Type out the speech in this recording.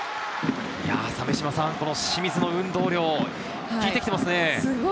清水の運動量、効いてきてますね。